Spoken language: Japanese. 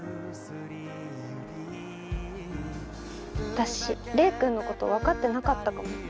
私レイくんのこと分かってなかったかも。